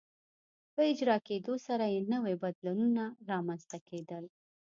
په اجرا کېدو سره یې نوي بدلونونه رامنځته کېدل.